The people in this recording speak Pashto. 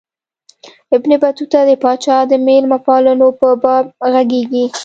ابن بطوطه د پاچا د مېلمه پالنو په باب ږغیږي.